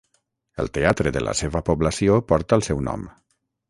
El teatre de la seva població porta el seu nom.